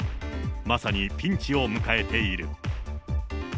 まさにピンチを迎えている。